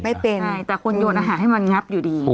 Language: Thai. ไม่เป็นแต่คนโยนอาหารให้มันงับอยู่ดี